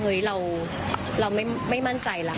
เฮ้ยเราไม่มั่นใจละ